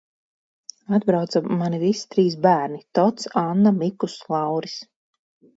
Atbrauca mani visi trīs bērni Tots, Anna, Mikus, Lauris.